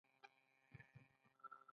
کراچۍ ته په پښتو کې لاسګاډی وايي.